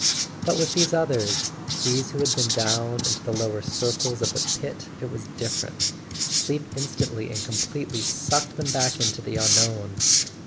But with these others, these who had been down into the lower circles of the pit, it was different: sleep instantly and completely sucked them back into the unknown.